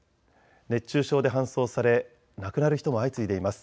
熱中症で搬送され亡くなる人も相次いでいます。